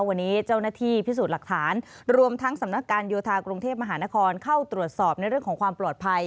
วันนี้เจ้าหน้าที่พิสูจน์หลักฐานรวมทั้งสำนักการโยธากรุงเทพมหานครเข้าตรวจสอบในเรื่องของความปลอดภัย